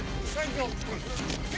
え？